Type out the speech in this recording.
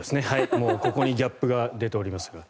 もうここにギャップが出ておりますが。